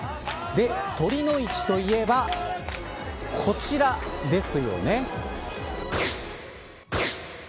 で、酉の市といえばこちらですよね。